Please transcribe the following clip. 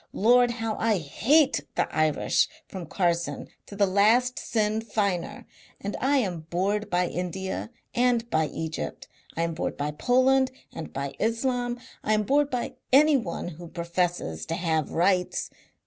Lord! how I HATE the Irish from Carson to the last Sinn Feiner! And I am bored by India and by Egypt. I am bored by Poland and by Islam. I am bored by anyone who professes to have rights.